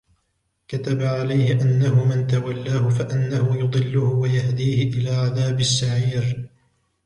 كتب عليه أنه من تولاه فأنه يضله ويهديه إلى عذاب السعير